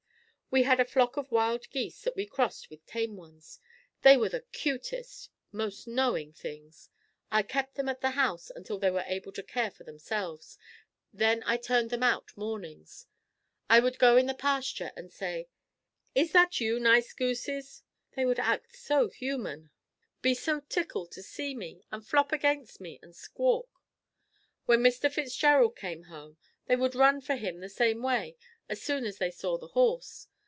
We had a flock of wild geese that we crossed with tame ones. They were the cutest, most knowing things. I kept them at the house until they were able to care for themselves, then I turned them out mornings. I would go in the pasture and say, "Is that you nice gooses?" They would act so human, be so tickled to see me and flop against me and squawk. When Mr. Fitzgerald came home they would run for him the same way as soon as they saw the horse.